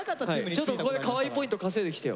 ちょっとここでカワイイポイント稼いできてよ。